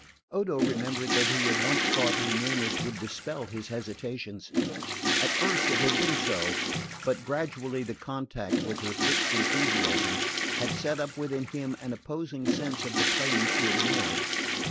Odo remembered that he had once thought her nearness would dispel his hesitations. At first it had been so; but gradually the contact with her fixed enthusiasms had set up within him an opposing sense of the claims ignored.